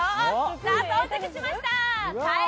さあ、到着しました。